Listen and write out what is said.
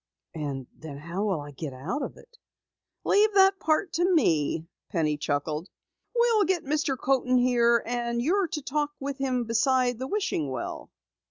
"And then how will I get out of it?" "Leave that part to me," Penny chuckled. "We'll get Mr. Coaten here, and you're to talk with him beside the wishing well."